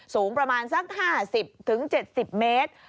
สูงประมาณสัก๕๐๗๐เมตร